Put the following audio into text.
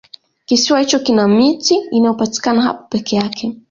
kisiwa hicho kina miti inayopatikana hapo peke yake